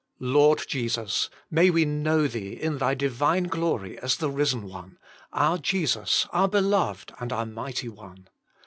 Lord Jesus! may we know Thee in thy divine glory as the risen One, our Jesus, our Beloved and our mighty One.